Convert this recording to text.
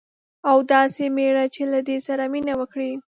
او داسي میړه چې له دې سره مینه وکړي